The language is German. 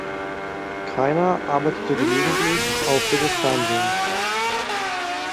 Greiner arbeitete gelegentlich auch für das Fernsehen.